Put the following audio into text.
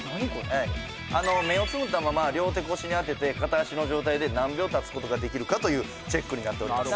目をつぶったまま両手腰に当てて片足の状態で何秒立つことができるかというチェックになっております